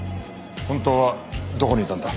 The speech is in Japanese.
本当はどこにいたんだ？